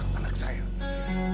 tidak pakai kamu